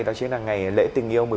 đó chính là ngày lễ tình yêu